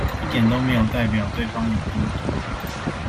一點都沒有代表對方有比你多好